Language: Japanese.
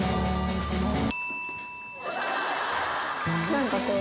何かこう。